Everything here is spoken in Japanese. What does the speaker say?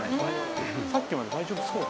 さっきまで大丈夫そう。